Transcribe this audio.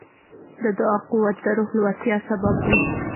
د دعا قوت د روح لوړتیا سبب دی.